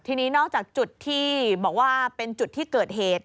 ทีนี้นอกจากจุดที่บอกว่าเป็นจุดที่เกิดเหตุ